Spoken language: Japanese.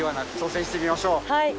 はい！